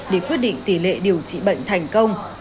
để quyết định tỷ lệ điều trị bệnh thành công